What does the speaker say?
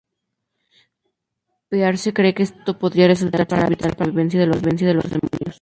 Pearse cree que esto podría resultar ser vital para la supervivencia de los demonios.